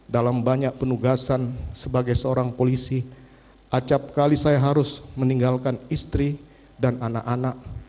dalam banyak penugasan sebagai seorang polisi acapkali saya harus meninggalkan istri dan anak anak